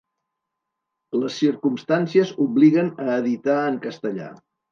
Les circumstàncies obliguen a editar en castellà.